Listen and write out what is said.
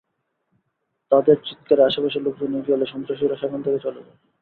তাঁদের চিৎকারে আশপাশের লোকজন এগিয়ে এলে সন্ত্রাসীরা সেখান থেকে চলে যায়।